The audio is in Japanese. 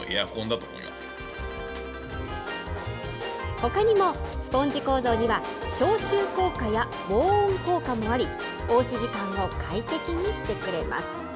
ほかにも、スポンジ構造には、消臭効果や防音効果もあり、おうち時間を快適にしてくれます。